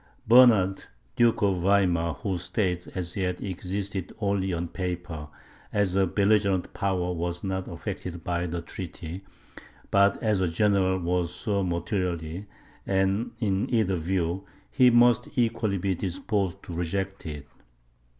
Bernard, Duke of Weimar, whose states, as yet, existed only on paper, as a belligerent power was not affected by the treaty, but as a general was so materially; and, in either view, he must equally be disposed to reject it.